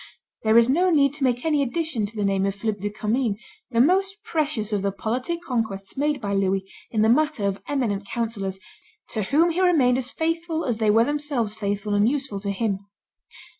There is no need to make any addition to the name of Philip de Commynes, the most precious of the politic conquests made by Louis in the matter of eminent counsellors, to whom he remained as faithful as they were themselves faithful and useful to him.